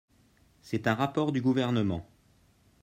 C’est un rapport du Gouvernement.